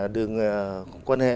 đường quan hệ